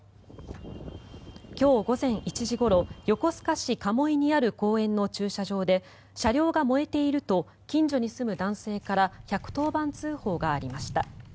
今日午前１時ごろ横須賀市鴨居にある公園の駐車場で車両が燃えていると近所に住む男性から１１０番通報がありました。